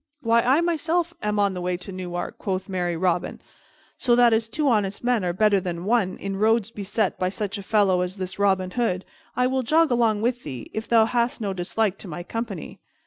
"Why, I myself am on the way to Newark," quoth merry Robin, "so that, as two honest men are better than one in roads beset by such a fellow as this Robin Hood, I will jog along with thee, if thou hast no dislike to my company."